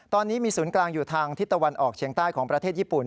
ตอนนี้มีศูนย์กลางอยู่ทางทิศตะวันออกเชียงใต้ของประเทศญี่ปุ่น